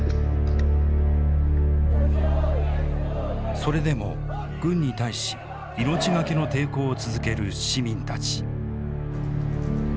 それでも軍に対し命懸けの抵抗を続ける市民たち。